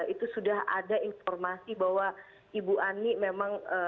itu sudah ada informasi bahwa ibu ani memang